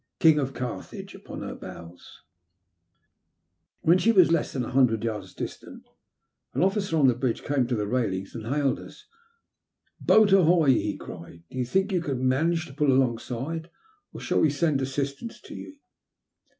King of Carthage, upon her bows. I WE ABB BAYED. 199 'When she was less than a hundred yards distant, an officer on the bridge came to the railings, and hailed us. Boat, ahoy !" he cried. Do you think you can manage to pull alongside ? or shall we send assistance to you